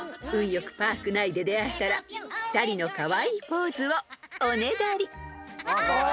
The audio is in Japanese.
よくパーク内で出会えたら２人のカワイイポーズをおねだり］